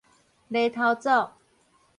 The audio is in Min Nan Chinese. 犁頭族